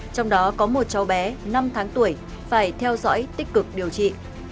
trong đó có một cháu bé năm tháng tuổi phải theo dõi tích cực điều trị